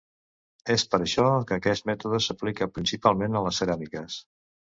És per això que aquest mètode s'aplica principalment a les ceràmiques.